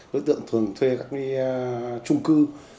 lực lượng thường thuê các cái trung cư